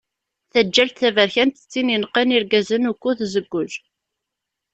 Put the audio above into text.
Taǧǧalt taberkant d tin ineqqen irgazen ukud tzeggej.